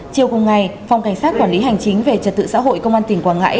chiều cùng ngày phòng cảnh sát quản lý hành chính về trật tự xã hội công an tỉnh quảng ngãi